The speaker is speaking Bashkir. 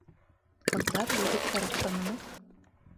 Ҡыҙҙар, егеттәр оҡшанымы?